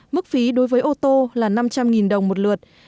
mức phí đối với ô tô là năm trăm linh đồng một lượt